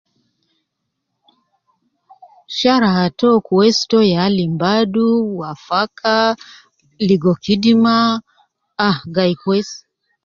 Sharaha to kweis to ya lim Badu wafaka ligo kidima ahhh gayi kwesi